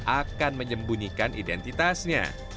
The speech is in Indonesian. akan menyembunyikan identitasnya